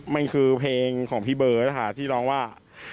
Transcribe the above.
มันคือเพลงของพี่เบิร์ตนะคะที่ร้องว่า